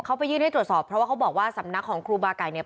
เขาไปยื่นให้ตรวจสอบเพราะว่าเขาบอกว่าสำนักของครูบาไก่เนี่ย